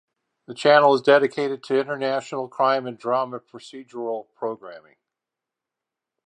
The channel is dedicated to international crime and drama procedural programing.